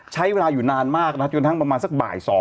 ใช้เวลาอยู่นานมากนะจนทั้งประมาณสักบ่าย๒